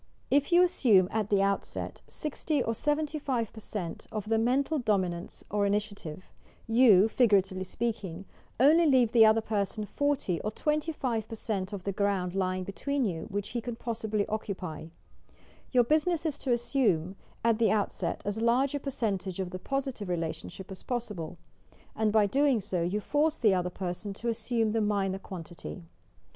If you assume at the outset 60 or 75% of the mental dominance or initiative, you (figuratively speaking) only leave the other person 40 or 25% of the ground lying between you, which he ean possibly occupy ! Your business is to assume at the outset as large a percentage of the positive relation ship as possible, and by doing so, you force the other person to assume the minor quantity.